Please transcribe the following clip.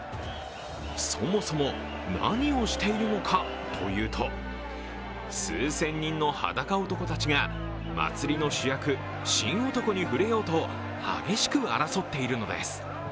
そもそも何をしているのかというと、数千人のはだか男たちが祭りの主役・神男に触れようと激しく争っているのです。